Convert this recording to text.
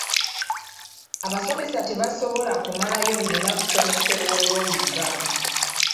Abasomesa tebaasobola kumalayo birina kusomesebwa olw'omuggalo.